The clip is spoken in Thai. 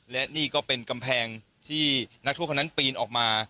และนี่ก็เป็นกำแพงที่นักโทษคนนั้นปีนออกมา